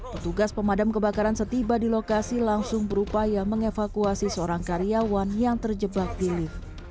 petugas pemadam kebakaran setiba di lokasi langsung berupaya mengevakuasi seorang karyawan yang terjebak di lift